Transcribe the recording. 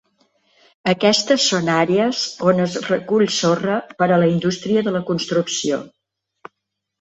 Aquestes són àrees on es recull sorra per a la indústria de la construcció.